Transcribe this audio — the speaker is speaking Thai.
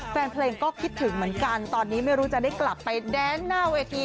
แฟนเพลงก็คิดถึงเหมือนกันตอนนี้ไม่รู้จะได้กลับไปแดนหน้าเวที